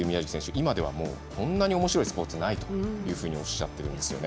今ではこんなおもしろいスポーツはないとおっしゃっているんですよね。